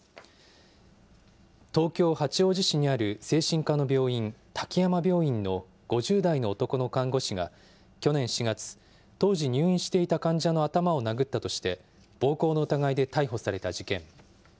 東京・八王子市にある精神科の病院、滝山病院の５０代の男の看護師が、去年４月、当時入院していた患者の頭を殴ったとして、暴行の疑いで逮捕された事件。